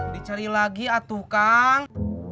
dicari lagi atuh kang